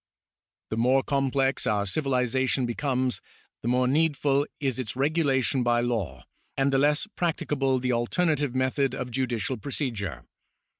The more complex our civilisation becomes, the more needful is its regulation by law, and the less practicable the alternative method of judicial procedure.